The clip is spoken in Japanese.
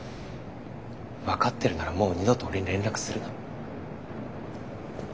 分かってるならもう二度と俺に連絡するな。